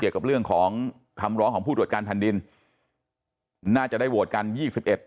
เกี่ยวกับเรื่องของคำร้องของผู้ตรวจการแผ่นดินน่าจะได้โหวตกันยี่สิบเอ็ด